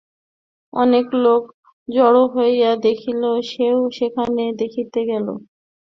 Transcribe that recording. অনেক লোক জড়ো হইয়াছে দেখিয়া সেও সেখানে দেখিতে গেল।